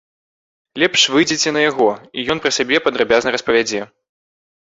Лепш выйдзіце на яго, і ён пра сябе падрабязна распавядзе.